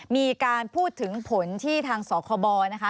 มีการพูดถึงผลที่ทางสคบนะคะ